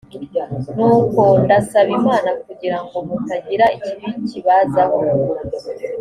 nuko ndasaba imana kugira ngo mutagira ikibi kibazaho